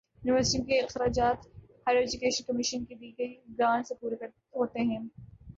یونیورسٹیوں کے اخراجات ہائیر ایجوکیشن کمیشن کی دی گئی گرانٹ سے پورے ہوتے ہیں۔